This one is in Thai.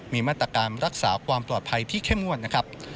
มีมาตรการรักษาความปลอดภัยที่เข้มงวดนะครับ